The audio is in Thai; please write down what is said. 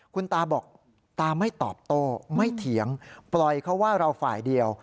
คุณตาบอกตาไม่ตอบโต้ไม่เถียงปล่อยเขาว่าเราฝ่ายเดียว